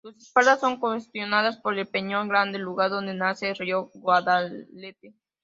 Sus espaldas son custodiadas por el Peñón Grande lugar donde nace el río Guadalete.